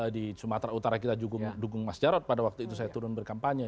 di sumatera utara kita dukung mas jarod pada waktu itu saya turun berkampanye